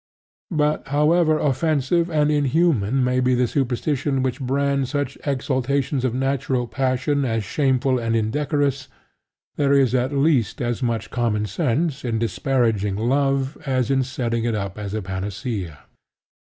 But however offensive and inhuman may be the superstition which brands such exaltations of natural passion as shameful and indecorous, there is at least as much common sense in disparaging love as in setting it up as a panacea.